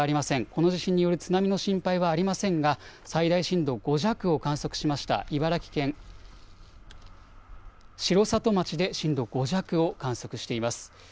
この地震による津波の心配はありませんが最大震度５弱を観測しました茨城県城里町で震度５弱を観測しています。